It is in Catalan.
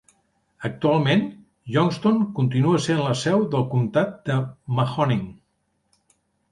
Actualment, Youngstown continua sent la seu del comtat de Mahoning.